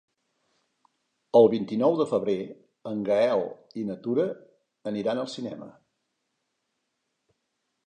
El vint-i-nou de febrer en Gaël i na Tura aniran al cinema.